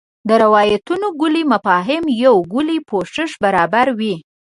د روایتونو کُلي مفاهیم یو کُلي پوښښ برابروي.